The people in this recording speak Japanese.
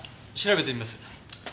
調べてみます。